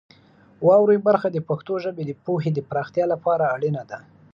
واورئ برخه د پښتو ژبې د پوهې د پراختیا لپاره اړینه ده.